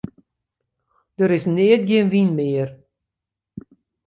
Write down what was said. Der is neat gjin wyn mear.